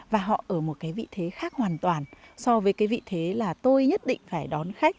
và họ ở một cái vị thế khác hoàn toàn so với cái vị thế là tôi nhất định phải đón khách